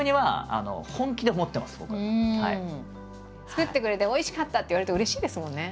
「作ってくれておいしかった」って言われるとうれしいですもんね。